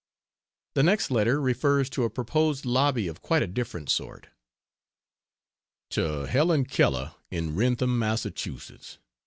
The next letter refers to a proposed lobby of quite a different sort. To Helen Keller, in Wrentham, Mass.